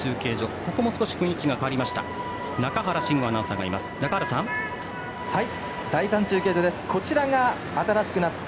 ここも少し雰囲気が変わりました。